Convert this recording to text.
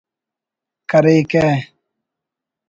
کریکہ